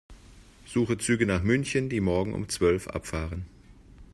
Suche Züge nach München, die morgen um zwölf Uhr abfahren.